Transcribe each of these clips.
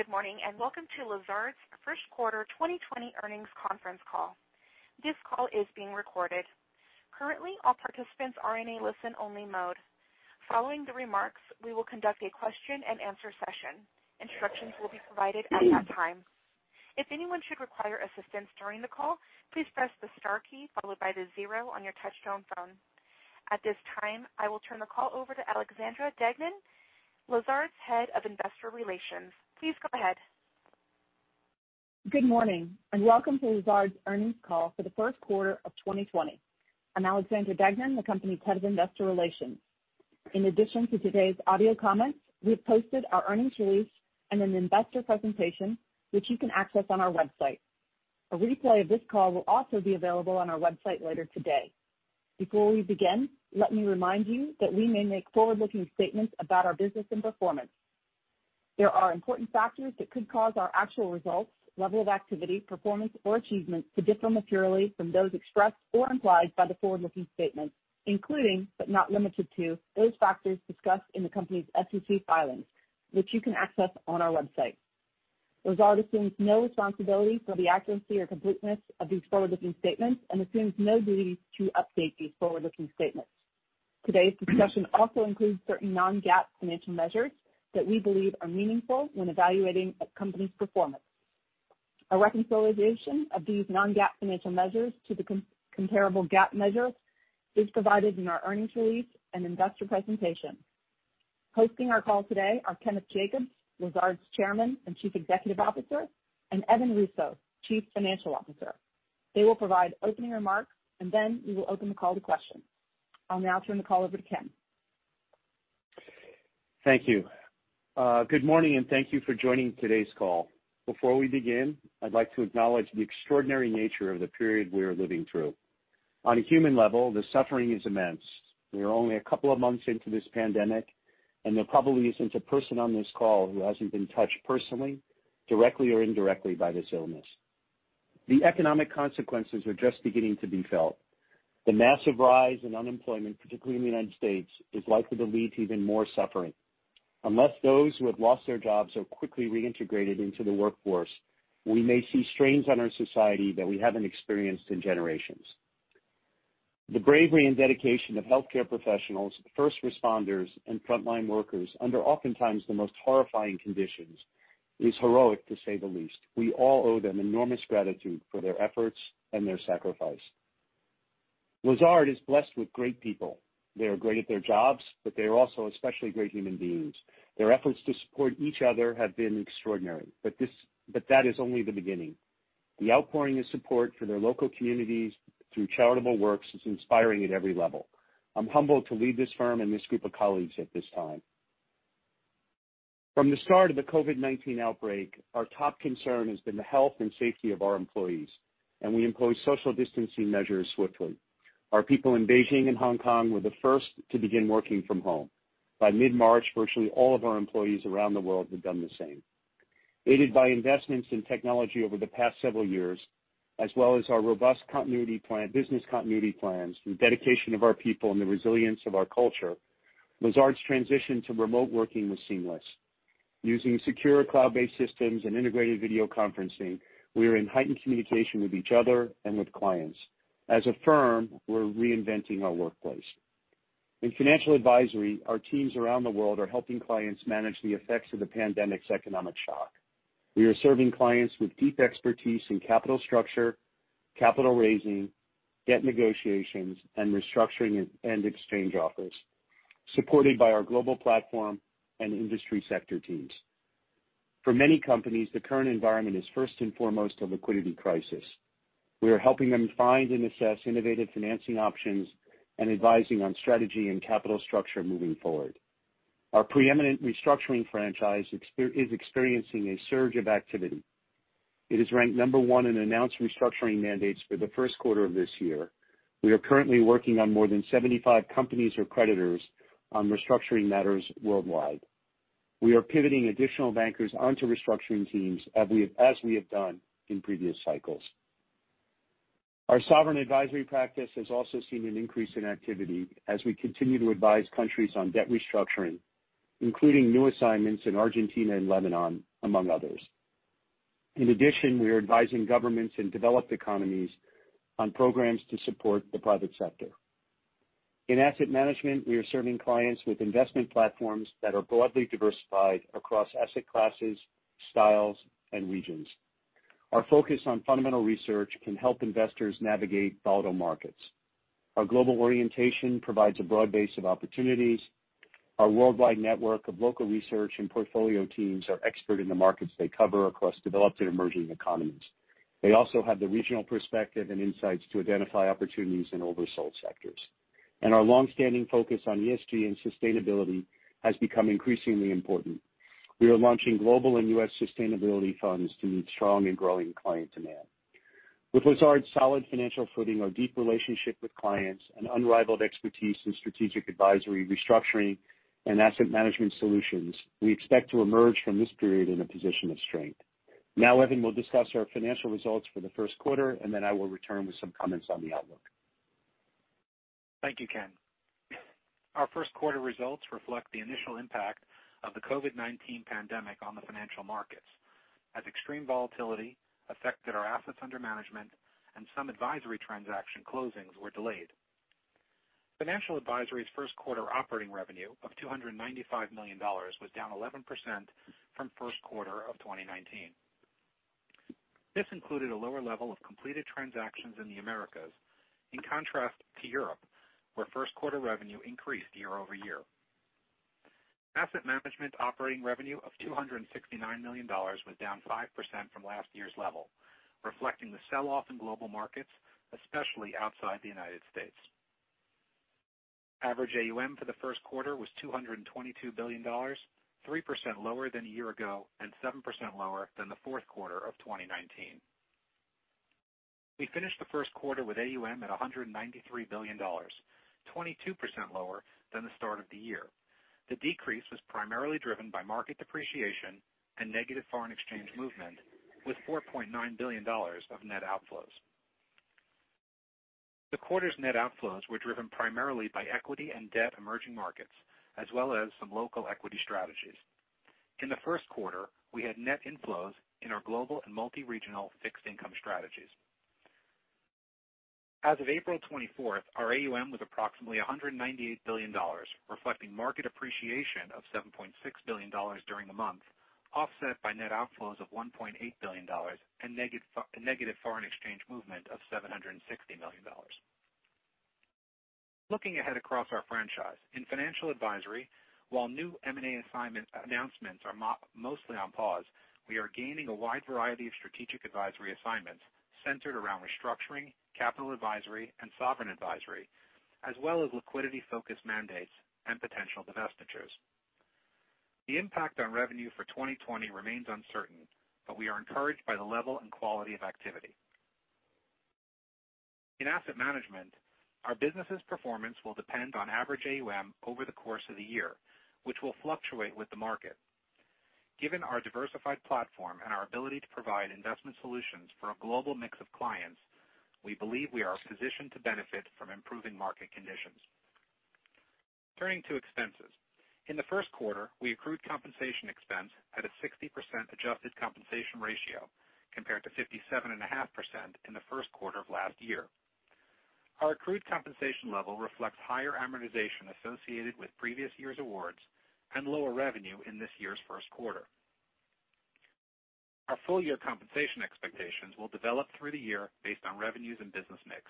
Good morning and welcome to Lazard's first quarter 2020 earnings conference call. This call is being recorded. Currently, all participants are in a listen-only mode. Following the remarks, we will conduct a question-and-answer session. Instructions will be provided at that time. If anyone should require assistance during the call, please press the star key followed by the zero on your touch-tone phone. At this time, I will turn the call over to Alexandra Deignan, Lazard's Head of Investor Relations. Please go ahead. Good morning and welcome to Lazard's earnings call for the first quarter of 2020. I'm Alexandra Deignan, the company's Head of Investor Relations. In addition to today's audio comments, we've posted our earnings release and an investor presentation, which you can access on our website. A replay of this call will also be available on our website later today. Before we begin, let me remind you that we may make forward-looking statements about our business and performance. There are important factors that could cause our actual results, level of activity, performance, or achievement to differ materially from those expressed or implied by the forward-looking statement, including, but not limited to, those factors discussed in the company's SEC filings, which you can access on our website. Lazard assumes no responsibility for the accuracy or completeness of these forward-looking statements and assumes no duty to update these forward-looking statements. Today's discussion also includes certain non-GAAP financial measures that we believe are meaningful when evaluating a company's performance. A reconciliation of these non-GAAP financial measures to the comparable GAAP measures is provided in our earnings release and investor presentation. Hosting our call today are Kenneth Jacobs, Lazard's Chairman and Chief Executive Officer, and Evan Russo, Chief Financial Officer. They will provide opening remarks, and then we will open the call to questions. I'll now turn the call over to Kenneth. Thank you. Good morning and thank you for joining today's call. Before we begin, I'd like to acknowledge the extraordinary nature of the period we are living through. On a human level, the suffering is immense. We are only a couple of months into this pandemic, and there probably isn't a person on this call who hasn't been touched personally, directly or indirectly, by this illness. The economic consequences are just beginning to be felt. The massive rise in unemployment, particularly in the United States, is likely to lead to even more suffering. Unless those who have lost their jobs are quickly reintegrated into the workforce, we may see strains on our society that we haven't experienced in generations. The bravery and dedication of healthcare professionals, first responders, and frontline workers under oftentimes the most horrifying conditions is heroic, to say the least. We all owe them enormous gratitude for their efforts and their sacrifice. Lazard is blessed with great people. They are great at their jobs, but they are also especially great human beings. Their efforts to support each other have been extraordinary, but that is only the beginning. The outpouring of support for their local communities through charitable works is inspiring at every level. I'm humbled to lead this firm and this group of colleagues at this time. From the start of the COVID-19 outbreak, our top concern has been the health and safety of our employees, and we imposed social distancing measures swiftly. Our people in Beijing and Hong Kong were the first to begin working from home. By mid-March, virtually all of our employees around the world had done the same. Aided by investments in technology over the past several years, as well as our robust business continuity plans through dedication of our people and the resilience of our culture, Lazard's transition to remote working was seamless. Using secure cloud-based systems and integrated video conferencing, we are in heightened communication with each other and with clients. As a firm, we're reinventing our workplace. In financial advisory, our teams around the world are helping clients manage the effects of the pandemic's economic shock. We are serving clients with deep expertise in capital structure, capital raising, debt negotiations, and restructuring and exchange offers, supported by our global platform and industry sector teams. For many companies, the current environment is first and foremost a liquidity crisis. We are helping them find and assess innovative financing options and advising on strategy and capital structure moving forward. Our preeminent restructuring franchise is experiencing a surge of activity. It is ranked number one in announced restructuring mandates for the first quarter of this year. We are currently working on more than 75 companies or creditors on restructuring matters worldwide. We are pivoting additional bankers onto restructuring teams as we have done in previous cycles. Our sovereign advisory practice has also seen an increase in activity as we continue to advise countries on debt restructuring, including new assignments in Argentina and Lebanon, among others. In addition, we are advising governments and developed economies on programs to support the private sector. In asset management, we are serving clients with investment platforms that are broadly diversified across asset classes, styles, and regions. Our focus on fundamental research can help investors navigate volatile markets. Our global orientation provides a broad base of opportunities. Our worldwide network of local research and portfolio teams are expert in the markets they cover across developed and emerging economies. They also have the regional perspective and insights to identify opportunities in oversold sectors. Our longstanding focus on ESG and sustainability has become increasingly important. We are launching global and U.S. sustainability funds to meet strong and growing client demand. With Lazard's solid financial footing, our deep relationship with clients, and unrivaled expertise in strategic advisory, restructuring, and asset management solutions, we expect to emerge from this period in a position of strength. Now, Evan, we'll discuss our financial results for the first quarter, and then I will return with some comments on the outlook. Thank you, Kenneth. Our first quarter results reflect the initial impact of the COVID-19 pandemic on the financial markets, as extreme volatility affected our assets under management, and some advisory transaction closings were delayed. Financial advisory's first quarter operating revenue of $295 million was down 11% from first quarter of 2019. This included a lower level of completed transactions in the Americas, in contrast to Europe, where first quarter revenue increased year over year. Asset management operating revenue of $269 million was down 5% from last year's level, reflecting the sell-off in global markets, especially outside the United States. Average AUM for the first quarter was $222 billion, 3% lower than a year ago and 7% lower than the fourth quarter of 2019. We finished the first quarter with AUM at $193 billion, 22% lower than the start of the year. The decrease was primarily driven by market depreciation and negative foreign exchange movement, with $4.9 billion of net outflows. The quarter's net outflows were driven primarily by equity and debt emerging markets, as well as some local equity strategies. In the first quarter, we had net inflows in our global and multi-regional fixed income strategies. As of April 24th, our AUM was approximately $198 billion, reflecting market appreciation of $7.6 billion during the month, offset by net outflows of $1.8 billion and negative foreign exchange movement of $760 million. Looking ahead across our franchise, in financial advisory, while new M&A announcements are mostly on pause, we are gaining a wide variety of strategic advisory assignments centered around restructuring, capital advisory, and sovereign advisory, as well as liquidity-focused mandates and potential divestitures. The impact on revenue for 2020 remains uncertain, but we are encouraged by the level and quality of activity. In asset management, our business's performance will depend on average AUM over the course of the year, which will fluctuate with the market. Given our diversified platform and our ability to provide investment solutions for a global mix of clients, we believe we are positioned to benefit from improving market conditions. Turning to expenses, in the first quarter, we accrued compensation expense at a 60% adjusted compensation ratio, compared to 57.5% in the first quarter of last year. Our accrued compensation level reflects higher amortization associated with previous year's awards and lower revenue in this year's first quarter. Our full-year compensation expectations will develop through the year based on revenues and business mix.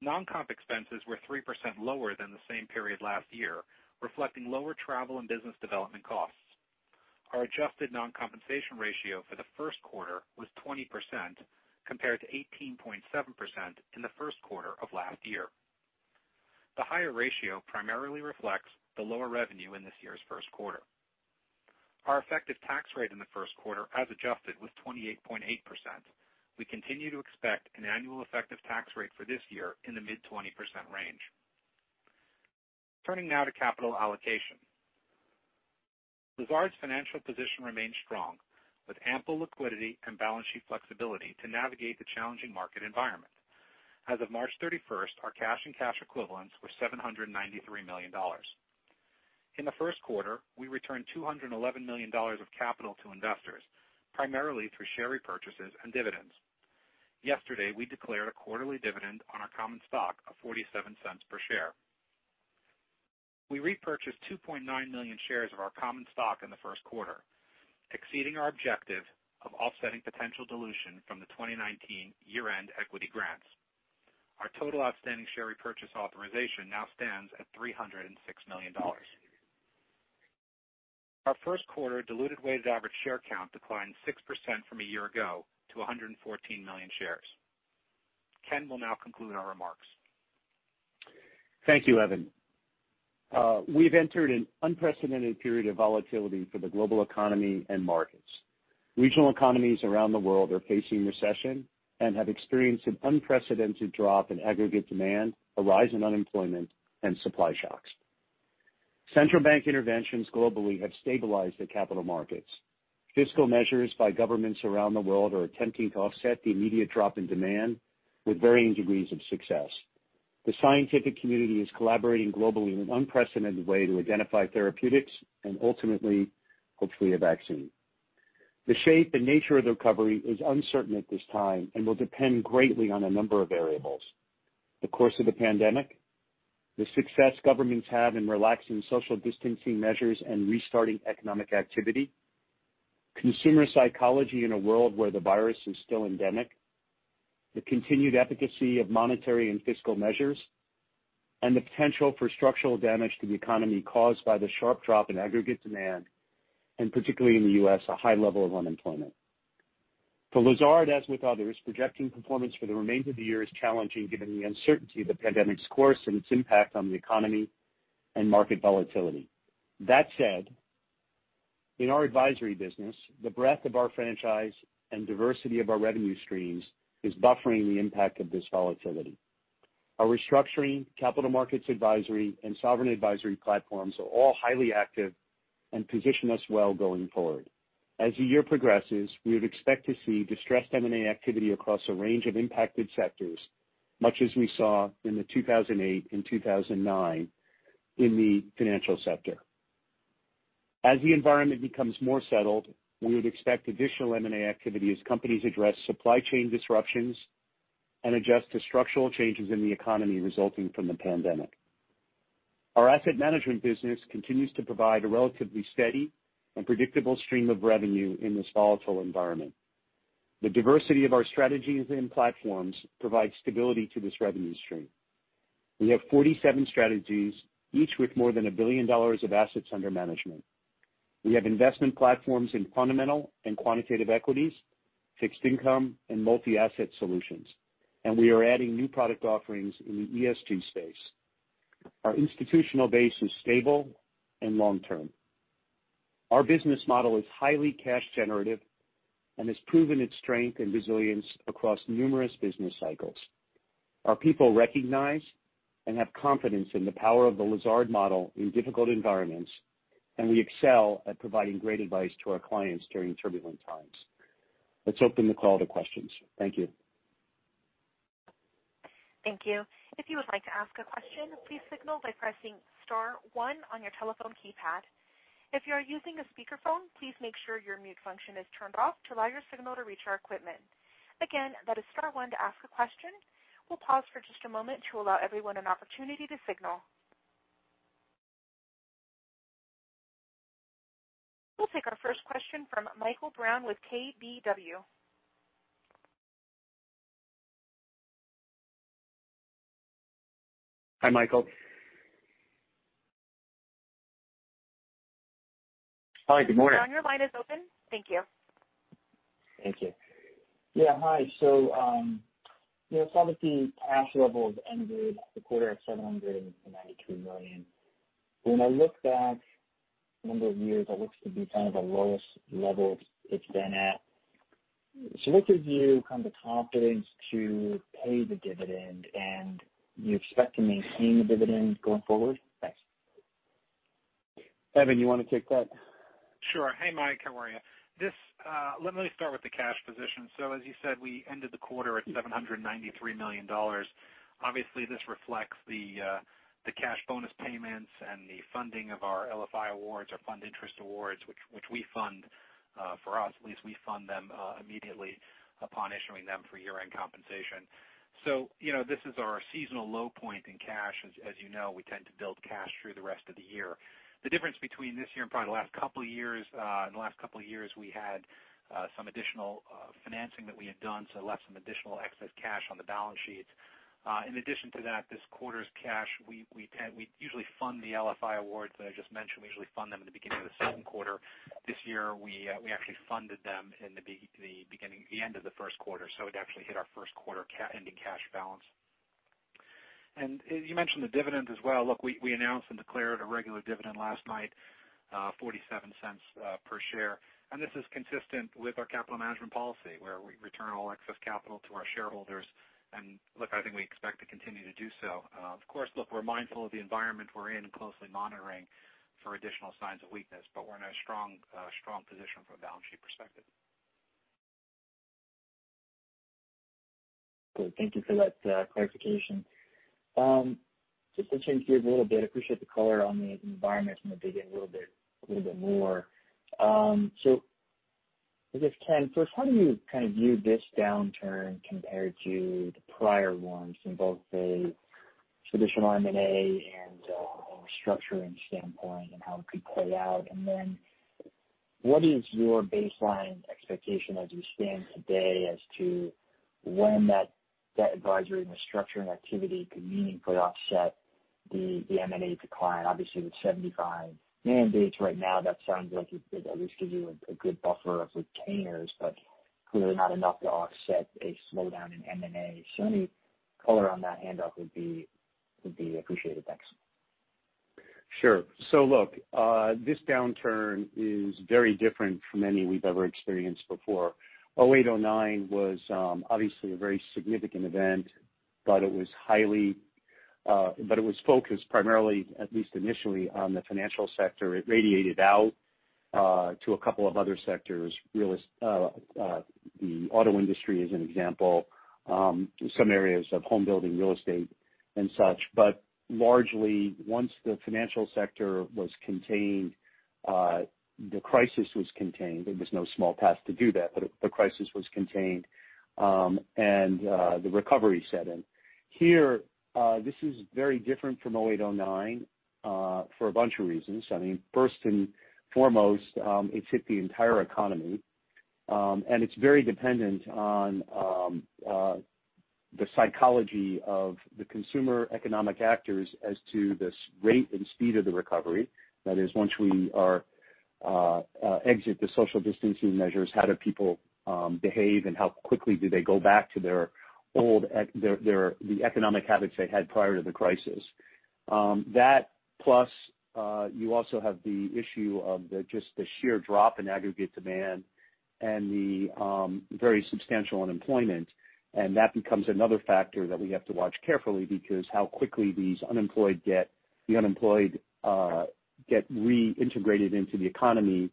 Non-comp expenses were 3% lower than the same period last year, reflecting lower travel and business development costs. Our adjusted non-compensation ratio for the first quarter was 20%, compared to 18.7% in the first quarter of last year. The higher ratio primarily reflects the lower revenue in this year's first quarter. Our effective tax rate in the first quarter, as adjusted, was 28.8%. We continue to expect an annual effective tax rate for this year in the mid-20% range. Turning now to capital allocation, Lazard's financial position remains strong, with ample liquidity and balance sheet flexibility to navigate the challenging market environment. As of March 31st, our cash and cash equivalents were $793 million. In the first quarter, we returned $211 million of capital to investors, primarily through share repurchases and dividends. Yesterday, we declared a quarterly dividend on our common stock of $0.47 per share. We repurchased 2.9 million shares of our common stock in the first quarter, exceeding our objective of offsetting potential dilution from the 2019 year-end equity grants. Our total outstanding share repurchase authorization now stands at $306 million. Our first quarter diluted-weighted average share count declined 6% from a year ago to 114 million shares. Kenneth will now conclude our remarks. Thank you, Evan. We've entered an unprecedented period of volatility for the global economy and markets. Regional economies around the world are facing recession and have experienced an unprecedented drop in aggregate demand, a rise in unemployment, and supply shocks. Central bank interventions globally have stabilized the capital markets. Fiscal measures by governments around the world are attempting to offset the immediate drop in demand with varying degrees of success. The scientific community is collaborating globally in an unprecedented way to identify therapeutics and ultimately, hopefully, a vaccine. The shape and nature of the recovery is uncertain at this time and will depend greatly on a number of variables: the course of the pandemic, the success governments have in relaxing social distancing measures and restarting economic activity, consumer psychology in a world where the virus is still endemic, the continued efficacy of monetary and fiscal measures, and the potential for structural damage to the economy caused by the sharp drop in aggregate demand, and particularly in the U.S., a high level of unemployment. For Lazard, as with others, projecting performance for the remainder of the year is challenging given the uncertainty of the pandemic's course and its impact on the economy and market volatility. That said, in our advisory business, the breadth of our franchise and diversity of our revenue streams is buffering the impact of this volatility. Our restructuring, capital markets advisory, and sovereign advisory platforms are all highly active and position us well going forward. As the year progresses, we would expect to see distressed M&A activity across a range of impacted sectors, much as we saw in 2008 and 2009 in the financial sector. As the environment becomes more settled, we would expect additional M&A activity as companies address supply chain disruptions and adjust to structural changes in the economy resulting from the pandemic. Our asset management business continues to provide a relatively steady and predictable stream of revenue in this volatile environment. The diversity of our strategies and platforms provides stability to this revenue stream. We have 47 strategies, each with more than a billion dollars of assets under management. We have investment platforms in fundamental and quantitative equities, fixed income, and multi-asset solutions, and we are adding new product offerings in the ESG space. Our institutional base is stable and long-term. Our business model is highly cash-generative and has proven its strength and resilience across numerous business cycles. Our people recognize and have confidence in the power of the Lazard model in difficult environments, and we excel at providing great advice to our clients during turbulent times. Let's open the call to questions. Thank you. Thank you. If you would like to ask a question, please signal by pressing Star 1 on your telephone keypad. If you are using a speakerphone, please make sure your mute function is turned off to allow your signal to reach our equipment. Again, that is Star 1 to ask a question. We'll pause for just a moment to allow everyone an opportunity to signal. We'll take our first question from Michael Brown with KBW. Hi, Michael. Hi, good morning. John, your line is open. Thank you. Thank you. Yeah, hi. You know, it's obviously past levels ended the quarter at $792 million. When I look back a number of years, it looks to be kind of the lowest level it's been at. What gives you kind of the confidence to pay the dividend, and do you expect to maintain the dividend going forward? Thanks. Evan, you want to take that? Sure. Hey, Mike. How are you? Let me start with the cash position. As you said, we ended the quarter at $793 million. Obviously, this reflects the cash bonus payments and the funding of our LFI awards or fund interest awards, which we fund for us. At least we fund them immediately upon issuing them for year-end compensation. You know, this is our seasonal low point in cash. As you know, we tend to build cash through the rest of the year. The difference between this year and probably the last couple of years—in the last couple of years, we had some additional financing that we had done, so left some additional excess cash on the balance sheets. In addition to that, this quarter's cash, we usually fund the LFI awards that I just mentioned. We usually fund them in the beginning of the second quarter. This year, we actually funded them in the beginning, the end of the first quarter, so it actually hit our first quarter ending cash balance. You mentioned the dividend as well. Look, we announced and declared a regular dividend last night, $0.47 per share. This is consistent with our capital management policy, where we return all excess capital to our shareholders, and look, I think we expect to continue to do so. Of course, look, we're mindful of the environment we're in and closely monitoring for additional signs of weakness, but we're in a strong position from a balance sheet perspective. Good. Thank you for that clarification. Just to change gears a little bit, I appreciate the color on the environment from the beginning a little bit more. I guess, Kenneth, first, how do you kind of view this downturn compared to the prior ones from both the traditional M&A and restructuring standpoint and how it could play out? What is your baseline expectation as we stand today as to when that advisory and restructuring activity could meaningfully offset the M&A decline? Obviously, with 75 mandates right now, that sounds like it at least gives you a good buffer of retainers, but clearly not enough to offset a slowdown in M&A. Any color on that handoff would be appreciated. Thanks. Sure. Look, this downturn is very different from any we have ever experienced before. 2008, 2009 was obviously a very significant event, but it was highly focused primarily, at least initially, on the financial sector. It radiated out to a couple of other sectors. The auto industry is an example, some areas of home building, real estate, and such. Largely, once the financial sector was contained, the crisis was contained. There was no small test to do that, but the crisis was contained, and the recovery set in. Here, this is very different from 2008, 2009 for a bunch of reasons. I mean, first and foremost, it has hit the entire economy, and it is very dependent on the psychology of the consumer economic actors as to the rate and speed of the recovery. That is, once we exit the social distancing measures, how do people behave, and how quickly do they go back to their old—the economic habits they had prior to the crisis? That, plus you also have the issue of just the sheer drop in aggregate demand and the very substantial unemployment. That becomes another factor that we have to watch carefully because how quickly these unemployed get reintegrated into the economy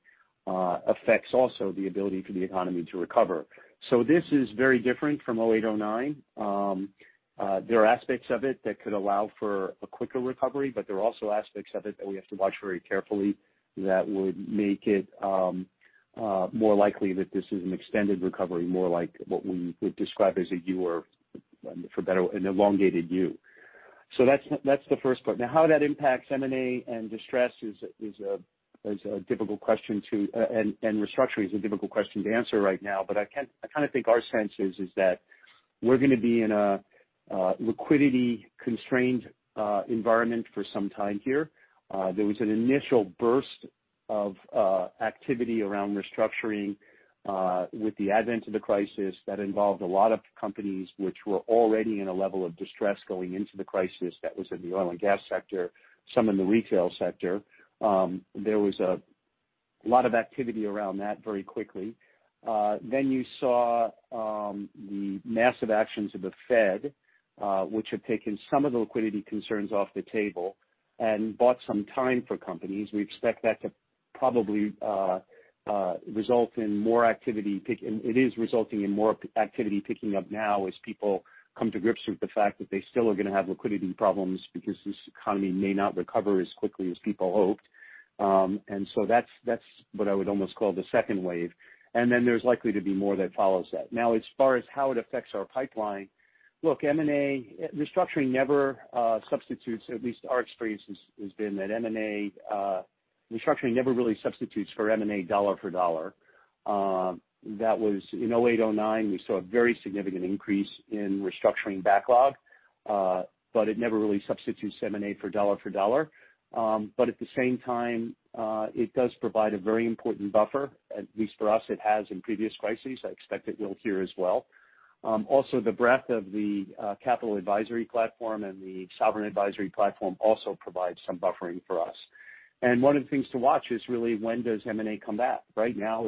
affects also the ability for the economy to recover. This is very different from 2008, 2009. There are aspects of it that could allow for a quicker recovery, but there are also aspects of it that we have to watch very carefully that would make it more likely that this is an extended recovery, more like what we would describe as a U or an elongated U. That is the first part. Now, how that impacts M&A and distress is a difficult question to—and restructuring is a difficult question to answer right now, but I kind of think our sense is that we're going to be in a liquidity-constrained environment for some time here. There was an initial burst of activity around restructuring with the advent of the crisis that involved a lot of companies which were already in a level of distress going into the crisis that was in the oil and gas sector, some in the retail sector. There was a lot of activity around that very quickly. You saw the massive actions of the Fed, which had taken some of the liquidity concerns off the table and bought some time for companies. We expect that to probably result in more activity—it is resulting in more activity picking up now as people come to grips with the fact that they still are going to have liquidity problems because this economy may not recover as quickly as people hoped. That is what I would almost call the second wave. There is likely to be more that follows that. Now, as far as how it affects our pipeline, look, M&A restructuring never substitutes—at least our experience has been that M&A restructuring never really substitutes for M&A dollar for dollar. That was in 2008, 2009, we saw a very significant increase in restructuring backlog, but it never really substitutes M&A for dollar for dollar. At the same time, it does provide a very important buffer, at least for us. It has in previous crises. I expect it will here as well. Also, the breadth of the capital advisory platform and the sovereign advisory platform also provides some buffering for us. One of the things to watch is really when does M&A come back? Right now,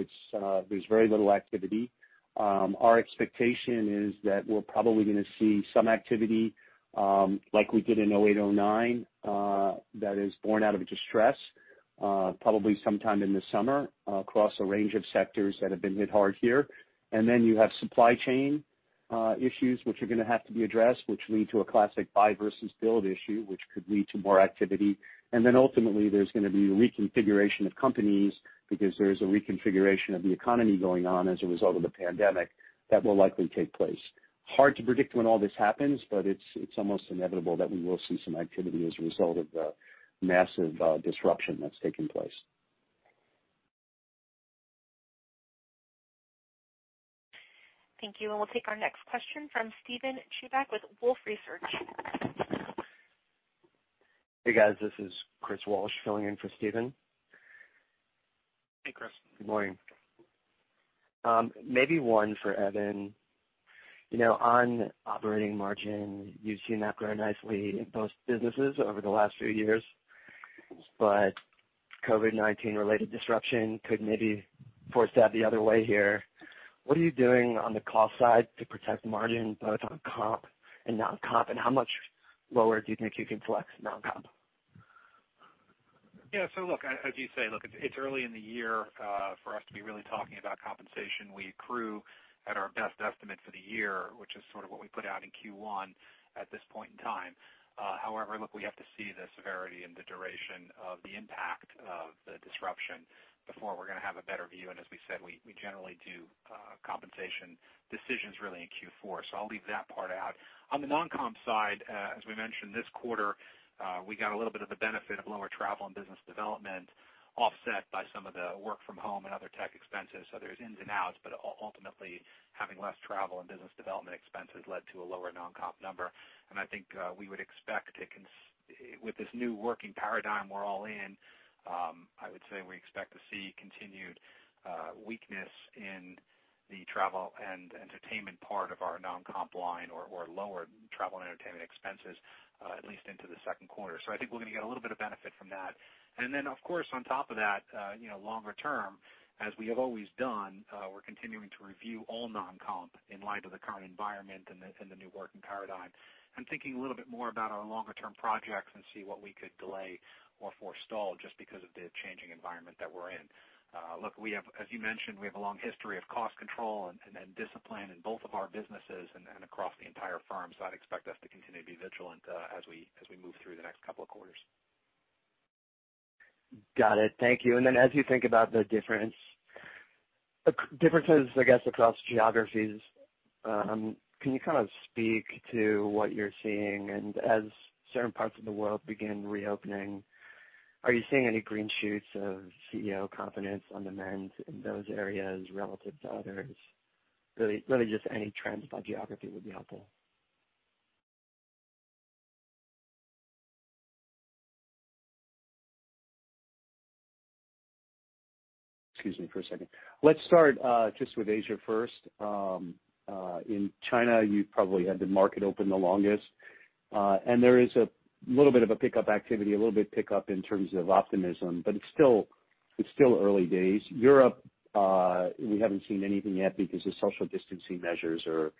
there's very little activity. Our expectation is that we're probably going to see some activity like we did in 2008, 2009 that is born out of distress, probably sometime in the summer across a range of sectors that have been hit hard here. You have supply chain issues which are going to have to be addressed, which lead to a classic buy versus build issue, which could lead to more activity. Ultimately, there's going to be a reconfiguration of companies because there is a reconfiguration of the economy going on as a result of the pandemic that will likely take place. Hard to predict when all this happens, but it's almost inevitable that we will see some activity as a result of the massive disruption that's taken place. Thank you. We will take our next question from Steven Chubak with Wolfe Research. Hey, guys. This is Chris Walsh filling in for Steven. Hey, Chris. Good morning. Maybe one for Evan. You know, on operating margin, you've seen that grow nicely in both businesses over the last few years, but COVID-19-related disruption could maybe force that the other way here. What are you doing on the cost side to protect margin both on comp and non-comp, and how much lower do you think you can flex non-comp? Yeah. So, look, as you say, look, it's early in the year for us to be really talking about compensation. We accrue at our best estimate for the year, which is sort of what we put out in Q1 at this point in time. However, we have to see the severity and the duration of the impact of the disruption before we're going to have a better view. As we said, we generally do compensation decisions really in Q4. I'll leave that part out. On the non-comp side, as we mentioned, this quarter, we got a little bit of the benefit of lower travel and business development offset by some of the work from home and other tech expenses. There's ins and outs, but ultimately, having less travel and business development expenses led to a lower non-comp number. I think we would expect to, with this new working paradigm we're all in, I would say we expect to see continued weakness in the travel and entertainment part of our non-comp line or lower travel and entertainment expenses, at least into the second quarter. I think we're going to get a little bit of benefit from that. Of course, on top of that, you know, longer term, as we have always done, we're continuing to review all non-comp in light of the current environment and the new working paradigm. Thinking a little bit more about our longer-term projects and see what we could delay or forestall just because of the changing environment that we're in. Look, we have, as you mentioned, a long history of cost control and discipline in both of our businesses and across the entire firm. I'd expect us to continue to be vigilant as we move through the next couple of quarters. Got it. Thank you. As you think about the differences, I guess, across geographies, can you kind of speak to what you're seeing? As certain parts of the world begin reopening, are you seeing any green shoots of CEO confidence on demand in those areas relative to others? Really, just any trends by geography would be helpful. Excuse me for a second. Let's start just with Asia first. In China, you probably had the market open the longest. There is a little bit of a pickup activity, a little bit of pickup in terms of optimism, but it's still early days. Europe, we haven't seen anything yet because the social distancing measures are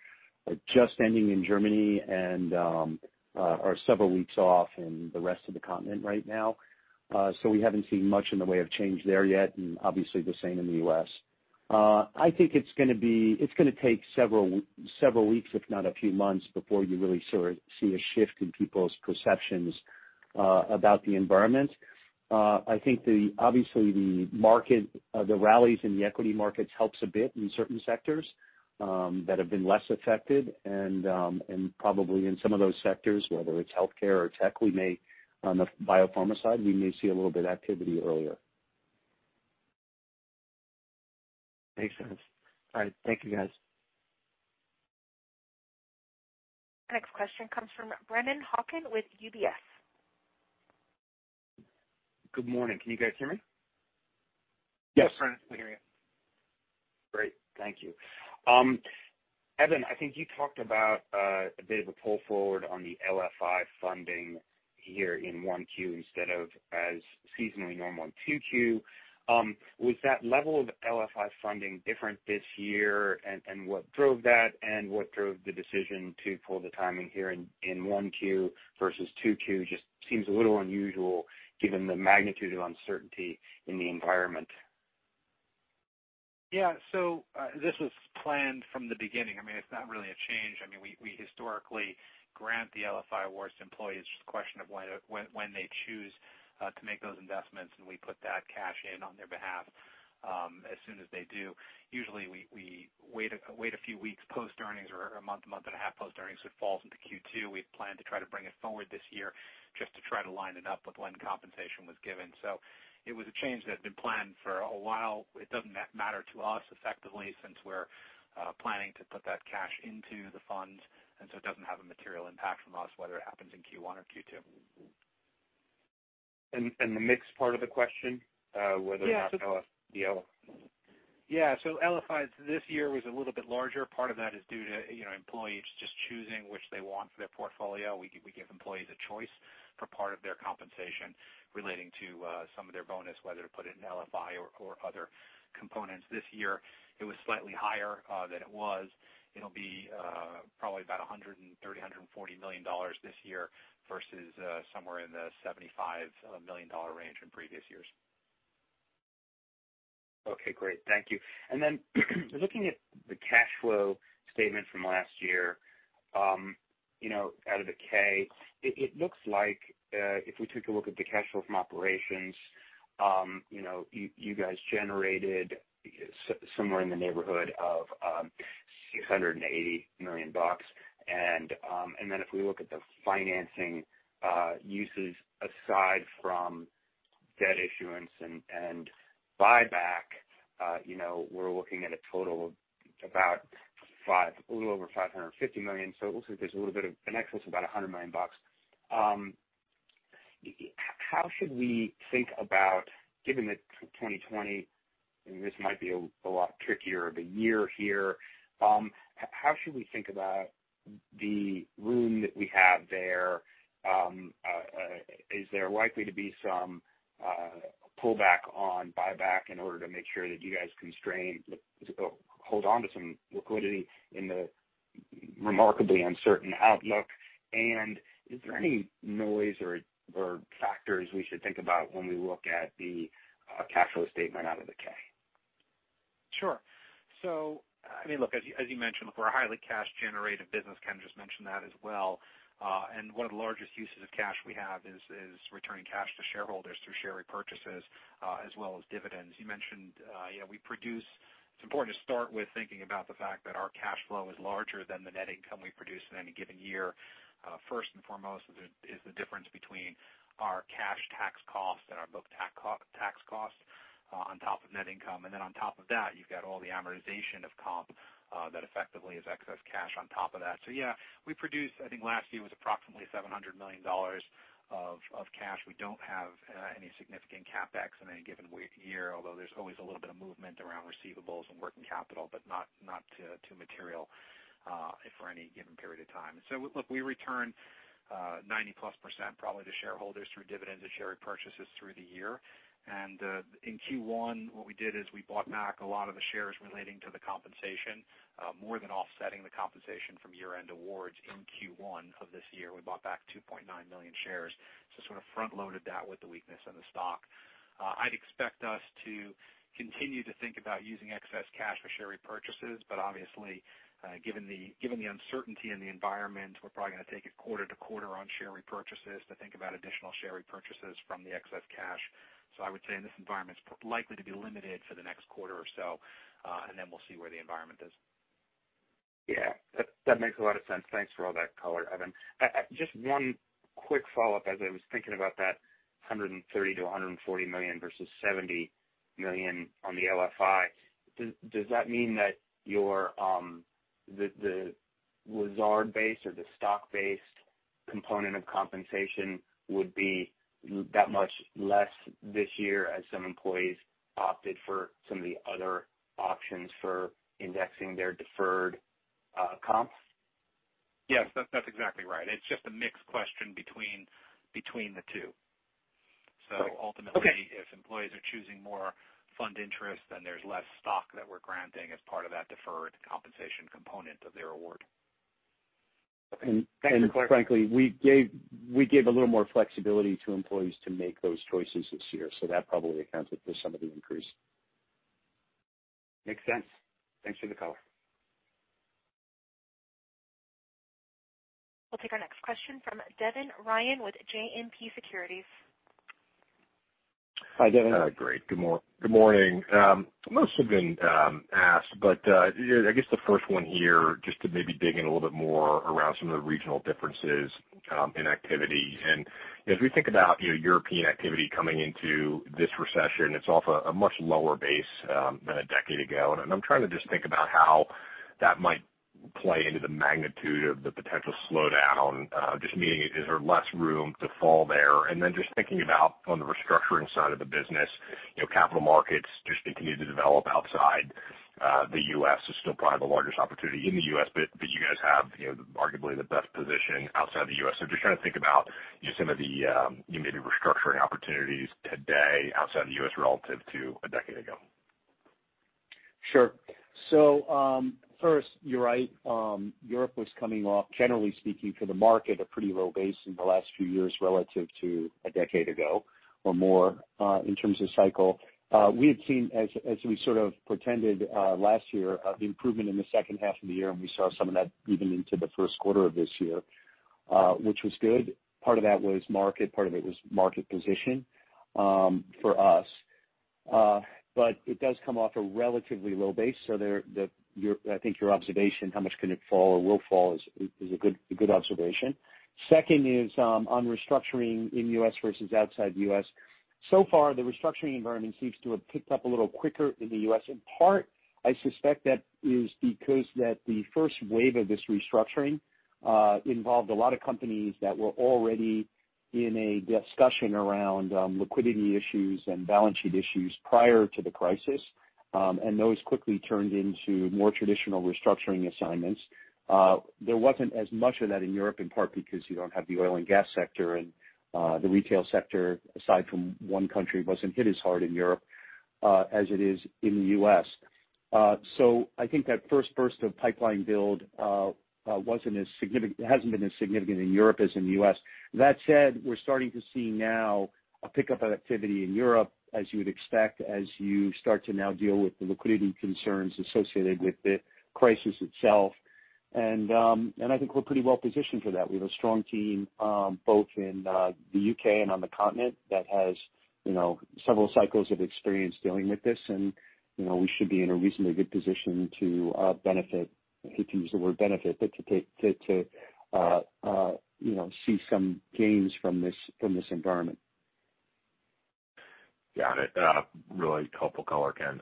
just ending in Germany and are several weeks off in the rest of the continent right now. We haven't seen much in the way of change there yet, and obviously the same in the U.S. I think it's going to be—it is going to take several weeks, if not a few months, before you really see a shift in people's perceptions about the environment. I think, obviously, the market, the rallies in the equity markets helps a bit in certain sectors that have been less affected. Probably in some of those sectors, whether it's healthcare or tech, we may, on the biopharma side, we may see a little bit of activity earlier. Makes sense. All right. Thank you, guys. Next question comes from Brennan Hawken with UBS. Good morning. Can you guys hear me? Yes. Yes, Brennan, we hear you. Great. Thank you. Evan, I think you talked about a bit of a pull forward on the LFI funding here in 1Q instead of as seasonally normal in 2Q. Was that level of LFI funding different this year? And what drove that, and what drove the decision to pull the timing here in 1Q versus 2Q just seems a little unusual given the magnitude of uncertainty in the environment. Yeah. This was planned from the beginning. I mean, it's not really a change. I mean, we historically grant the LFI awards to employees. It's just a question of when they choose to make those investments, and we put that cash in on their behalf as soon as they do. Usually, we wait a few weeks post-earnings or a month, a month and a half post-earnings, which falls into Q2. We have planned to try to bring it forward this year just to try to line it up with when compensation was given. It was a change that had been planned for a while. It does not matter to us effectively since we are planning to put that cash into the funds, and it does not have a material impact from us whether it happens in Q1 or Q2. The mixed part of the question, whether that's LFI or EL? Yeah. LFI this year was a little bit larger. Part of that is due to employees just choosing which they want for their portfolio. We give employees a choice for part of their compensation relating to some of their bonus, whether to put it in LFI or other components. This year, it was slightly higher than it was. It'll be probably about $130 million-$140 million this year versus somewhere in the $75 million range in previous years. Okay. Great. Thank you. And then, looking at the cash flow statement from last year, you know, out of the K, it looks like if we take a look at the cash flow from operations, you know, you guys generated somewhere in the neighborhood of $680 million. And then if we look at the financing uses aside from debt issuance and buyback, you know, we're looking at a total of about a little over $550 million. So, it looks like there's a little bit of an excess of about $100 million. How should we think about, given that 2020, this might be a lot trickier of a year here, how should we think about the room that we have there? Is there likely to be some pullback on buyback in order to make sure that you guys constrain, hold on to some liquidity in the remarkably uncertain outlook? Is there any noise or factors we should think about when we look at the cash flow statement out of the K? Sure. I mean, look, as you mentioned, we're a highly cash-generative business. Kenneth just mentioned that as well. One of the largest uses of cash we have is returning cash to shareholders through share repurchases as well as dividends. You mentioned, you know, we produce—it's important to start with thinking about the fact that our cash flow is larger than the net income we produce in any given year. First and foremost is the difference between our cash tax cost and our book tax cost on top of net income. On top of that, you've got all the amortization of comp that effectively is excess cash on top of that. Yeah, we produce, I think last year was approximately $700 million of cash. We do not have any significant CapEx in any given year, although there is always a little bit of movement around receivables and working capital, but not too material for any given period of time. Look, we return 90%+ probably to shareholders through dividends and share repurchases through the year. In Q1, what we did is we bought back a lot of the shares relating to the compensation, more than offsetting the compensation from year-end awards. In Q1 of this year, we bought back 2.9 million shares. We sort of front-loaded that with the weakness in the stock. I would expect us to continue to think about using excess cash for share repurchases, but obviously, given the uncertainty in the environment, we are probably going to take it quarter to quarter on share repurchases to think about additional share repurchases from the excess cash. I would say in this environment, it's likely to be limited for the next quarter or so, and then we'll see where the environment is. Yeah. That makes a lot of sense. Thanks for all that color, Evan. Just one quick follow-up as I was thinking about that $130-$140 million versus $70 million on the LFI. Does that mean that the Lazard-based or the stock-based component of compensation would be that much less this year as some employees opted for some of the other options for indexing their deferred comp? Yes. That's exactly right. It is just a mixed question between the two. Ultimately, if employees are choosing more fund interest, then there is less stock that we are granting as part of that deferred compensation component of their award. Frankly, we gave a little more flexibility to employees to make those choices this year. That probably accounted for some of the increase. Makes sense. Thanks for the color. We'll take our next question from Devin Ryan with JMP Securities. Hi, Devin. Great. Good morning. Most have been asked, but I guess the first one here, just to maybe dig in a little bit more around some of the regional differences in activity. As we think about European activity coming into this recession, it is off a much lower base than a decade ago. I am trying to just think about how that might play into the magnitude of the potential slowdown, just meaning is there less room to fall there? Just thinking about on the restructuring side of the business, capital markets just continue to develop outside the U.S. It is still probably the largest opportunity in the U.S., but you guys have arguably the best position outside the U.S. I am just trying to think about some of the maybe restructuring opportunities today outside the U.S. relative to a decade ago. Sure. First, you're right. Europe was coming off, generally speaking, for the market, a pretty low base in the last few years relative to a decade ago or more in terms of cycle. We had seen, as we sort of pretended last year, improvement in the second half of the year, and we saw some of that even into the first quarter of this year, which was good. Part of that was market. Part of it was market position for us. It does come off a relatively low base. I think your observation, how much can it fall or will fall, is a good observation. Second is on restructuring in the U.S. versus outside the U.S. So far, the restructuring environment seems to have picked up a little quicker in the U.S. In part, I suspect that is because the first wave of this restructuring involved a lot of companies that were already in a discussion around liquidity issues and balance sheet issues prior to the crisis, and those quickly turned into more traditional restructuring assignments. There was not as much of that in Europe, in part because you do not have the oil and gas sector, and the retail sector, aside from one country, was not hit as hard in Europe as it is in the U.S. I think that first burst of pipeline build has not been as significant in Europe as in the U.S. That said, we are starting to see now a pickup of activity in Europe, as you would expect, as you start to now deal with the liquidity concerns associated with the crisis itself. I think we are pretty well positioned for that. We have a strong team both in the U.K. and on the continent that has several cycles of experience dealing with this. We should be in a reasonably good position to benefit, I hate to use the word benefit, but to see some gains from this environment. Got it. Really helpful color, Ken.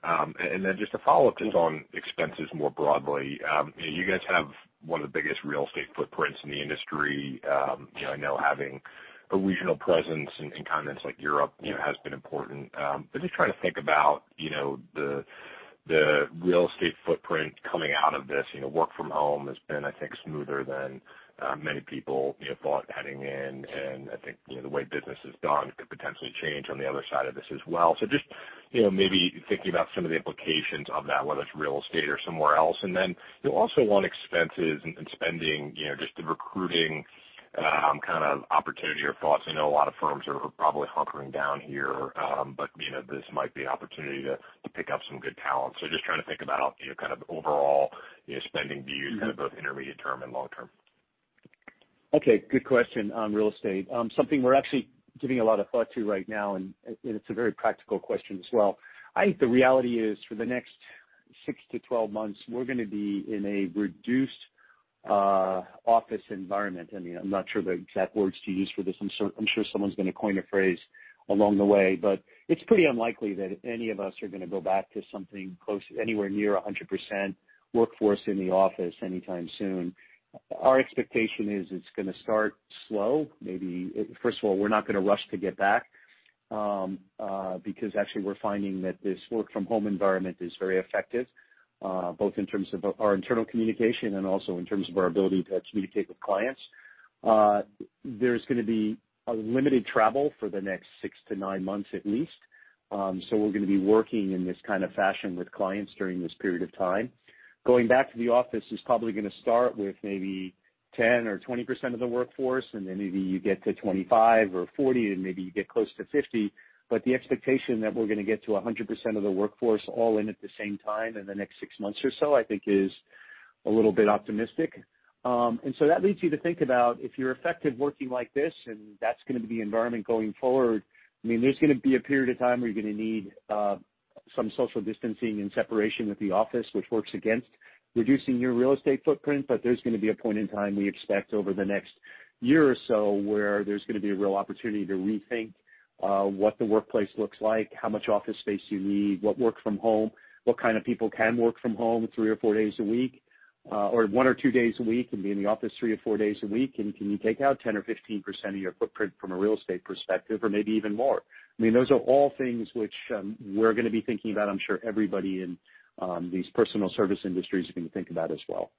Just to follow up just on expenses more broadly, you guys have one of the biggest real estate footprints in the industry. I know having a regional presence in continents like Europe has been important. Just trying to think about the real estate footprint coming out of this. Work from home has been, I think, smoother than many people thought heading in. I think the way business is done could potentially change on the other side of this as well. Just maybe thinking about some of the implications of that, whether it's real estate or somewhere else. Also on expenses and spending, just the recruiting kind of opportunity or thoughts. I know a lot of firms are probably hunkering down here, but this might be an opportunity to pick up some good talent. Just trying to think about kind of overall spending views, kind of both intermediate term and long term. Okay. Good question on real estate. Something we're actually giving a lot of thought to right now, and it's a very practical question as well. I think the reality is for the next 6 to 12 months, we're going to be in a reduced office environment. I mean, I'm not sure the exact words to use for this. I'm sure someone's going to coin a phrase along the way, but it's pretty unlikely that any of us are going to go back to something close to anywhere near 100% workforce in the office anytime soon. Our expectation is it's going to start slow. Maybe, first of all, we're not going to rush to get back because actually we're finding that this work-from-home environment is very effective, both in terms of our internal communication and also in terms of our ability to communicate with clients. There's going to be limited travel for the next 6-9 months at least. We're going to be working in this kind of fashion with clients during this period of time. Going back to the office is probably going to start with maybe 10% or 20% of the workforce, and then maybe you get to 25% or 40%, and maybe you get close to 50%. The expectation that we're going to get to 100% of the workforce all in at the same time in the next six months or so, I think, is a little bit optimistic. That leads you to think about if you're effective working like this, and that's going to be the environment going forward. I mean, there's going to be a period of time where you're going to need some social distancing and separation with the office, which works against reducing your real estate footprint. There's going to be a point in time we expect over the next year or so where there's going to be a real opportunity to rethink what the workplace looks like, how much office space you need, what work from home, what kind of people can work from home three or four days a week, or one or two days a week and be in the office three or four days a week. Can you take out 10% or 15% of your footprint from a real estate perspective, or maybe even more? I mean, those are all things which we're going to be thinking about. I'm sure everybody in these personal service industries is going to think about as well.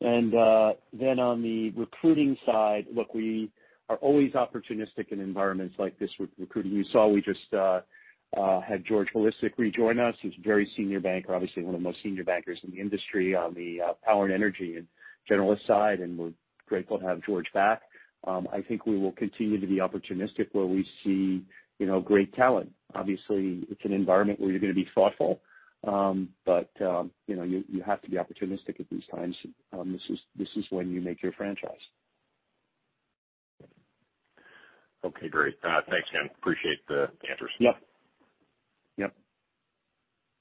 On the recruiting side, look, we are always opportunistic in environments like this recruiting. You saw we just had George Bilicic rejoin us. He's a very senior banker, obviously one of the most senior bankers in the industry on the power and energy and generalist side. We're grateful to have George back. I think we will continue to be opportunistic where we see great talent. Obviously, it's an environment where you're going to be thoughtful, but you have to be opportunistic at these times. This is when you make your franchise. Okay. Great. Thanks, Ken. Appreciate the answers. Yep. Yep.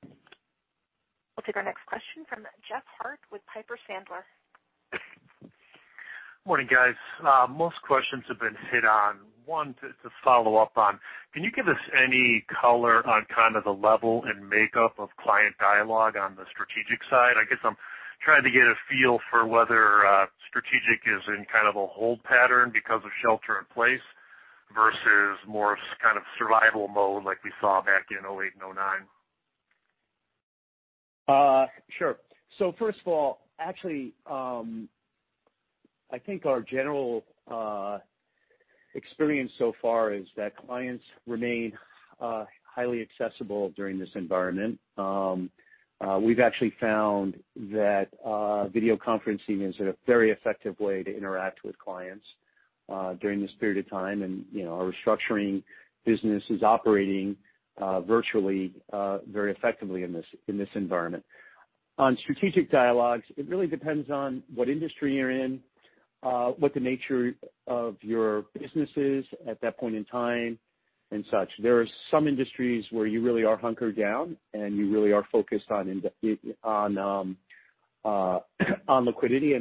We'll take our next question from Jeff Harte with Piper Sandler. Morning, guys. Most questions have been hit on. One to follow up on, can you give us any color on kind of the level and makeup of client dialogue on the strategic side? I guess I'm trying to get a feel for whether strategic is in kind of a hold pattern because of shelter in place versus more kind of survival mode like we saw back in 2008 and 2009. Sure. First of all, actually, I think our general experience so far is that clients remain highly accessible during this environment. We've actually found that video conferencing is a very effective way to interact with clients during this period of time. Our restructuring business is operating virtually very effectively in this environment. On strategic dialogues, it really depends on what industry you're in, what the nature of your business is at that point in time, and such. There are some industries where you really are hunkered down, and you really are focused on liquidity.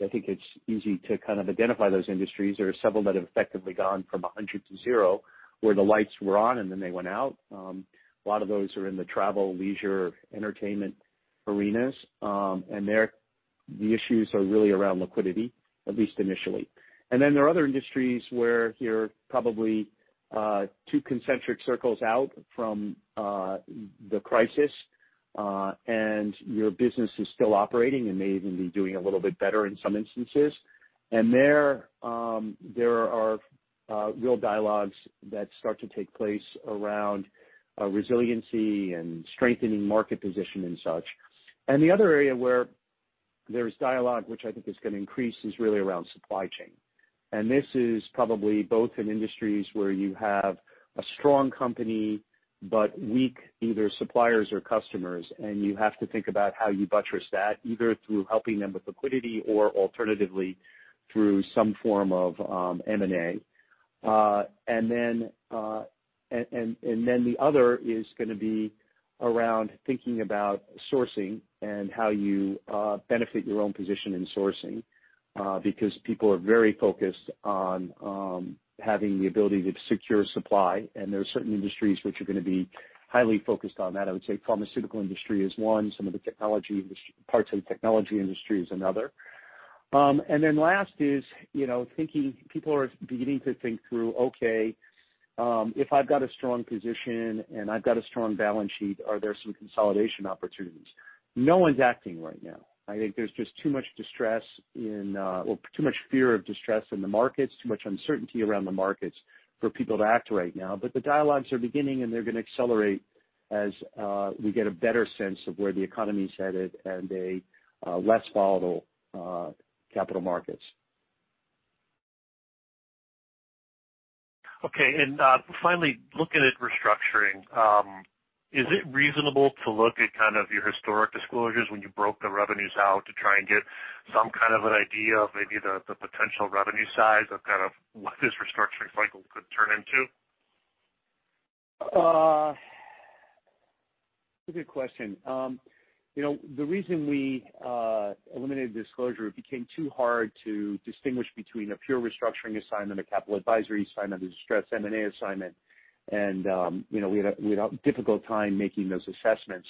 I think it's easy to kind of identify those industries. There are several that have effectively gone from 100 to 0 where the lights were on, and then they went out. A lot of those are in the travel, leisure, entertainment arenas. The issues are really around liquidity, at least initially. There are other industries where you're probably two concentric circles out from the crisis, and your business is still operating and may even be doing a little bit better in some instances. There are real dialogues that start to take place around resiliency and strengthening market position and such. The other area where there's dialogue, which I think is going to increase, is really around supply chain. This is probably both in industries where you have a strong company but weak either suppliers or customers, and you have to think about how you buttress that, either through helping them with liquidity or alternatively through some form of M&A. The other is going to be around thinking about sourcing and how you benefit your own position in sourcing because people are very focused on having the ability to secure supply. There are certain industries which are going to be highly focused on that. I would say the pharmaceutical industry is one. Some of the technology parts of the technology industry is another. Last is thinking people are beginning to think through, "Okay, if I've got a strong position and I've got a strong balance sheet, are there some consolidation opportunities?" No one's acting right now. I think there's just too much distress in or too much fear of distress in the markets, too much uncertainty around the markets for people to act right now. The dialogues are beginning, and they're going to accelerate as we get a better sense of where the economy's headed and the less volatile capital markets. Okay. Finally, looking at restructuring, is it reasonable to look at kind of your historic disclosures when you broke the revenues out to try and get some kind of an idea of maybe the potential revenue size of kind of what this restructuring cycle could turn into? That's a good question. The reason we eliminated disclosure, it became too hard to distinguish between a pure restructuring assignment, a capital advisory assignment, a distress M&A assignment, and we had a difficult time making those assessments.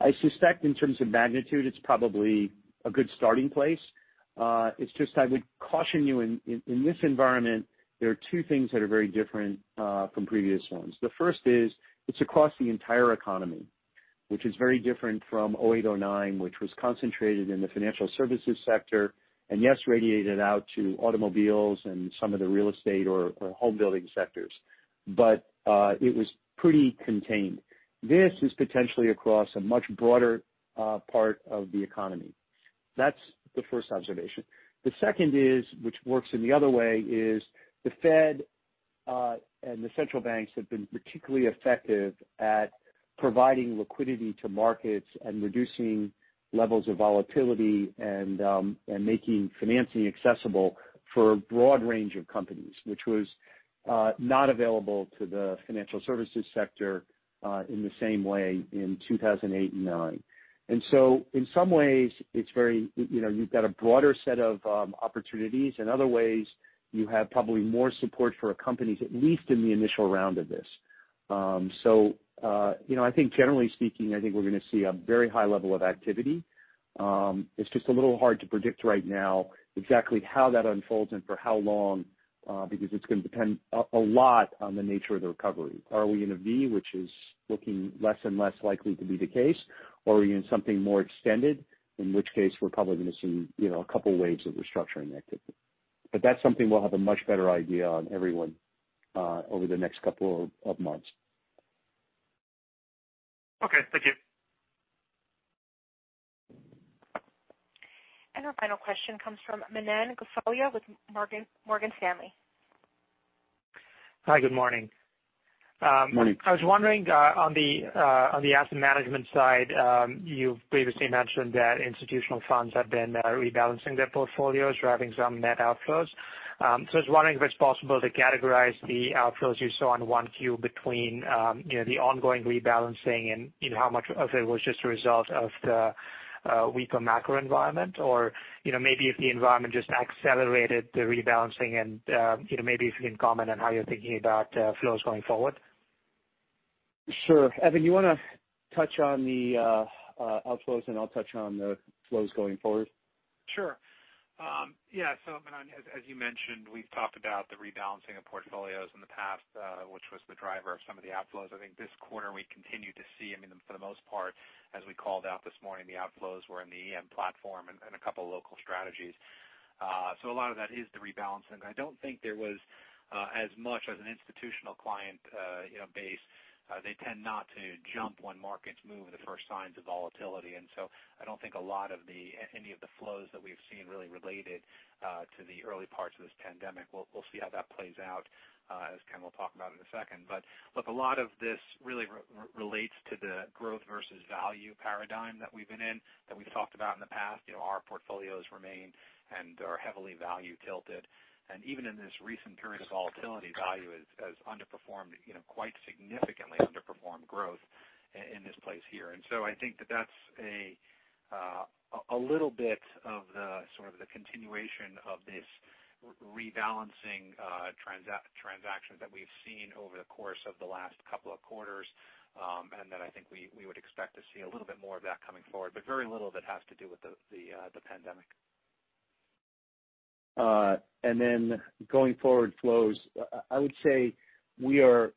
I suspect in terms of magnitude, it's probably a good starting place. I would caution you in this environment, there are two things that are very different from previous ones. The first is it's across the entire economy, which is very different from 2008, 2009, which was concentrated in the financial services sector and, yes, radiated out to automobiles and some of the real estate or home building sectors. It was pretty contained. This is potentially across a much broader part of the economy. That's the first observation. The second is, which works in the other way, the Fed and the central banks have been particularly effective at providing liquidity to markets and reducing levels of volatility and making financing accessible for a broad range of companies, which was not available to the financial services sector in the same way in 2008 and 2009. In some ways, you have got a broader set of opportunities. In other ways, you have probably more support for companies, at least in the initial round of this. I think, generally speaking, I think we are going to see a very high level of activity. It is just a little hard to predict right now exactly how that unfolds and for how long because it is going to depend a lot on the nature of the recovery. Are we in a V, which is looking less and less likely to be the case, or are we in something more extended, in which case we're probably going to see a couple of waves of restructuring activity? That's something we'll have a much better idea on everyone over the next couple of months. Okay. Thank you. Our final question comes from Manan Gosalia with Morgan Stanley. Hi. Good morning. Morning. I was wondering, on the asset management side, you've previously mentioned that institutional funds have been rebalancing their portfolios, driving some net outflows. I was wondering if it's possible to categorize the outflows you saw on 1Q between the ongoing rebalancing and how much of it was just a result of the weaker macro environment, or maybe if the environment just accelerated the rebalancing and maybe if you can comment on how you're thinking about flows going forward. Sure. Evan, you want to touch on the outflows and I'll touch on the flows going forward? Sure. Yeah. Manan, as you mentioned, we've talked about the rebalancing of portfolios in the past, which was the driver of some of the outflows. I think this quarter we continued to see, I mean, for the most part, as we called out this morning, the outflows were in the EM platform and a couple of local strategies. A lot of that is the rebalancing. I don't think there was as much as an institutional client base. They tend not to jump when markets move in the first signs of volatility. I don't think a lot of any of the flows that we've seen really related to the early parts of this pandemic. We'll see how that plays out, as Ken will talk about in a second. Look, a lot of this really relates to the growth versus value paradigm that we've been in, that we've talked about in the past. Our portfolios remain and are heavily value-tilted. Even in this recent period of volatility, value has underperformed quite significantly, underperformed growth in this place here. I think that that's a little bit of the sort of the continuation of this rebalancing transaction that we've seen over the course of the last couple of quarters, and that I think we would expect to see a little bit more of that coming forward, but very little of it has to do with the pandemic. Going forward, flows, I would say we are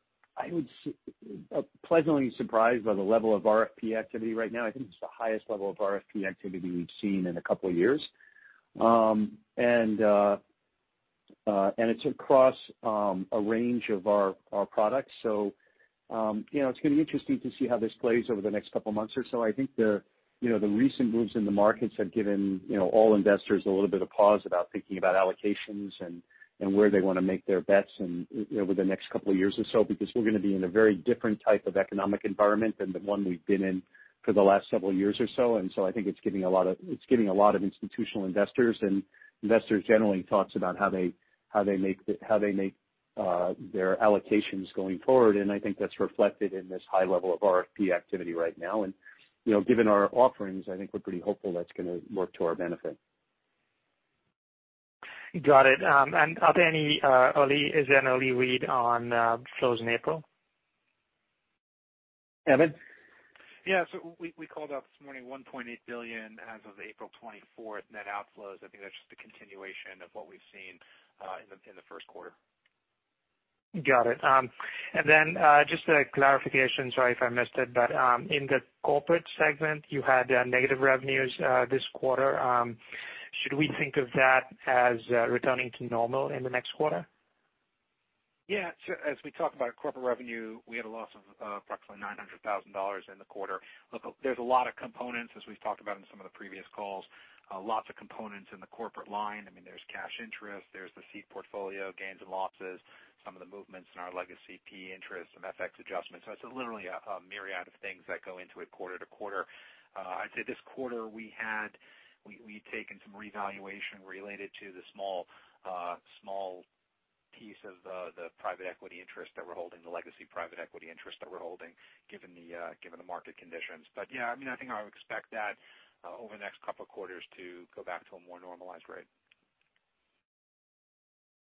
pleasantly surprised by the level of RFP activity right now. I think it is the highest level of RFP activity we have seen in a couple of years. It is across a range of our products. It is going to be interesting to see how this plays over the next couple of months or so. I think the recent moves in the markets have given all investors a little bit of pause about thinking about allocations and where they want to make their bets over the next couple of years or so because we are going to be in a very different type of economic environment than the one we have been in for the last several years or so. I think it is giving a lot of institutional investors and investors generally thoughts about how they make their allocations going forward. I think that is reflected in this high level of RFP activity right now. Given our offerings, I think we are pretty hopeful that is going to work to our benefit. Got it. Are there any early, is there an early read on flows in April? Evan? Yeah. We called out this morning $1.8 billion as of April 24 net outflows. I think that's just the continuation of what we've seen in the first quarter. Got it. Just a clarification, sorry if I missed it, but in the corporate segment, you had negative revenues this quarter. Should we think of that as returning to normal in the next quarter? Yeah. As we talk about corporate revenue, we had a loss of approximately $900,000 in the quarter. Look, there's a lot of components, as we've talked about in some of the previous calls, lots of components in the corporate line. I mean, there's cash interest, there's the seed portfolio, gains and losses, some of the movements in our legacy P interest, some FX adjustments. It's literally a myriad of things that go into it quarter to quarter. I'd say this quarter we had taken some revaluation related to the small piece of the private equity interest that we're holding, the legacy private equity interest that we're holding, given the market conditions. Yeah, I think I would expect that over the next couple of quarters to go back to a more normalized rate.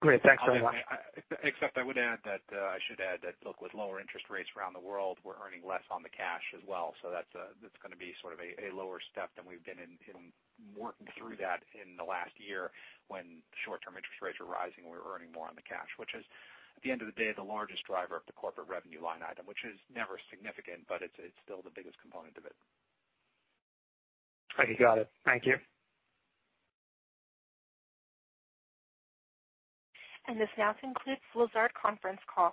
Great. Thanks very much. Except I would add that I should add that, look, with lower interest rates around the world, we're earning less on the cash as well. That's going to be sort of a lower step than we've been in working through that in the last year when short-term interest rates were rising and we were earning more on the cash, which is, at the end of the day, the largest driver of the corporate revenue line item, which is never significant, but it's still the biggest component of it. Okay. Got it. Thank you. This now concludes Lazard conference call.